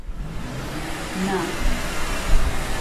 نا.